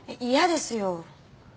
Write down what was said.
い嫌ですよ。